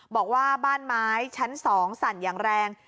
บอกว่าบ้านไม้ชั้น๒สั่นอย่างแรง